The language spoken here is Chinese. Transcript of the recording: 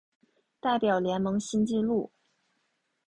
代表联盟新纪录